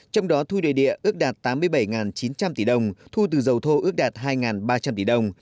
trong đó thu đề địa ước đạt tám mươi bảy chín trăm linh tỷ đồng thu từ dầu thô ước đạt hai ba trăm linh tỷ đồng